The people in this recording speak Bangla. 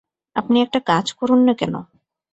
আপনি একটা কাজ করুন না কেন?